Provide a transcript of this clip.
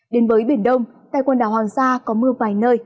đến với biển đông tại quần đảo hoàng sa có mưa vài nơi